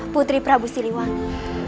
putri prabu siliwangi